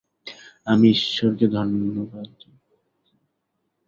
আমি ঈশ্বরকে ধন্যবাদ দিতেছি যে, তিনি এরূপ ব্যবস্থা করিয়াছেন।